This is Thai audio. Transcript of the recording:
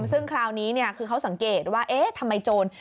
ซึ่งคราวนี้คือเขาสังเกตว่าเอ๊ะทำไมโจร